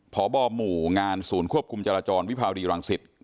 พบหมู่งานศูนย์ควบคุมจราจรวิภาวดีรังสิต